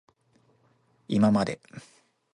いままで